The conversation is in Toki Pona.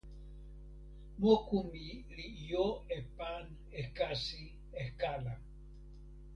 moku mi li jo e pan e kasi e kala.